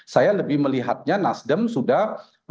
saya lebih melihatnya nasdem sudah